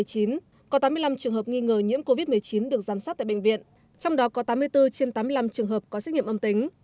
có tám mươi năm trường hợp nghi ngờ nhiễm covid một mươi chín được giám sát tại bệnh viện trong đó có tám mươi bốn trên tám mươi năm trường hợp có xét nghiệm âm tính